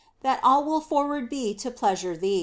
That all will forward be to pleasure thee.